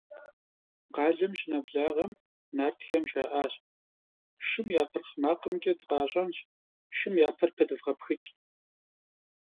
Къалэм щынэблагъэм, нартхэм жаӏащ: – Шым я пырхъ макъымкӏэ дыкъащӏэнщ, шым я пэр пыдвгъэпхыкӏ.